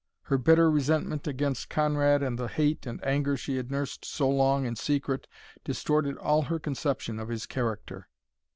Her bitter resentment against Conrad and the hate and anger she had nursed so long in secret distorted all her conception of his character.